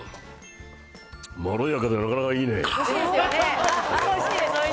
まろやかでなかなかいいね。